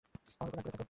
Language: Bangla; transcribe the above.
আমার উপর রাগ করে থাকে।